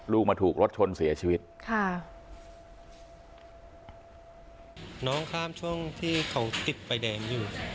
มาถูกรถชนเสียชีวิตค่ะน้องข้ามช่วงที่เขาติดไฟแดงอยู่